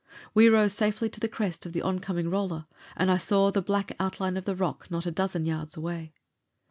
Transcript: We rose safely to the crest of the oncoming roller, and I saw the black outline of the rock not a dozen yards away.